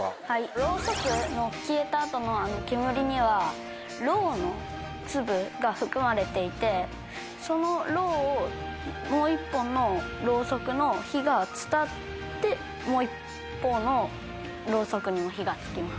ろうそくの消えた後の煙にはろうの粒が含まれていてそのろうをもう１本のろうそくの火が伝ってもう一方のろうそくにも火がつきます。